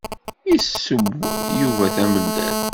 Yesseww Yuba tamellalt.